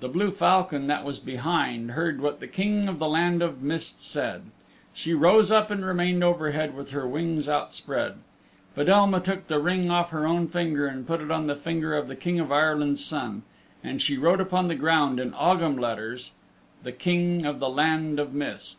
The blue falcon that was behind heard what the King of the Land of Mist said. She rose up and remained overhead with her wings outspread. Fedelma took the ring off her own finger and put it on the finger of the King of Ireland's Son, and she wrote upon the ground in Ogham letters, "The King of the Land of Mist."